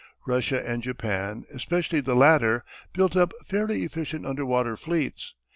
Russia and Japan, especially the latter, built up fairly efficient underwater fleets.